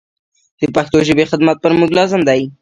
د پښتو ژبي خدمت پر موږ لازم دی.